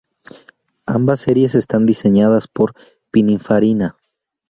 Ambas series están diseñadas por Pininfarina.